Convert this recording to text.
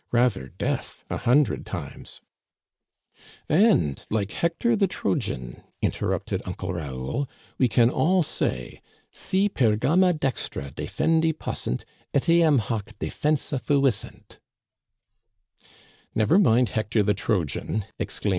Rather death, a hundred times !"And, like Hector the Trojan," interrupted Uncle Raoul, " we can all say : Si Pergama dexira Defendi possent^ etiam hâc defensa fuissent, "Never mind Hector the Trojan," exclaimed M.